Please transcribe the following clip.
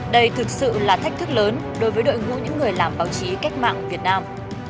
đây thực sự là thách thức lớn đối với đội ngũ những người làm báo chí cách mạng việt nam